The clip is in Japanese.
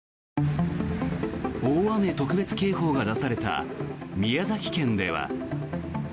大雨特別警報が出された宮崎県では。